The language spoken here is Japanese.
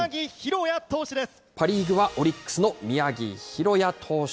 パ・リーグはオリックスの宮城大弥投手。